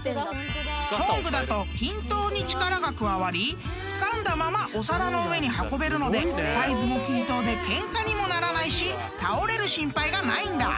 ［トングだと均等に力が加わりつかんだままお皿の上に運べるのでサイズも均等でケンカにもならないし倒れる心配がないんだ］